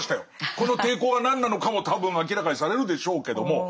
この抵抗が何なのかも多分明らかにされるでしょうけども。